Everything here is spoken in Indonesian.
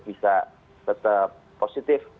bisa tetap positif